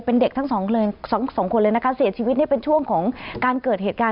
เป็นเด็กทั้งสองเลยสองคนเลยนะคะเสียชีวิตนี่เป็นช่วงของการเกิดเหตุการณ์